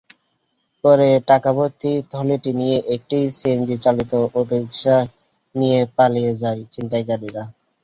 পরে টাকাভর্তি থলেটি নিয়ে একটি সিএনজিচালিত অটোরিকশা নিয়ে পালিয়ে যায় ছিনতাইকারীরা।